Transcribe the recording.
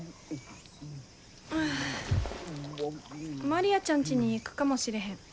マリアちゃんちに行くかもしれへん。